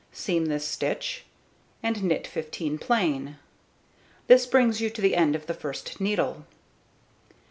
Seam this stitch, and knit 15 plain. This brings you to the end of the first needle.